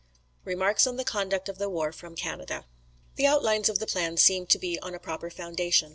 "REMARKS ON THE CONDUCT OF THE WAR FROM CANADA. "The outlines of the plan seem to be on a proper foundation.